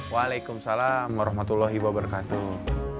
waalaikumsalam warahmatullahi wabarakatuh